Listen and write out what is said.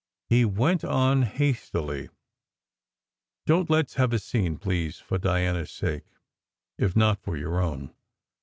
" he went on hastily: "Don t let s have a scene, please, for Diana s sake, if not for your own.